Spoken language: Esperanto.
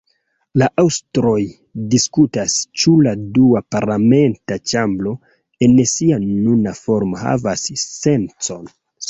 La aŭstroj diskutas, ĉu la dua parlamenta ĉambro en sia nuna formo havas sencon.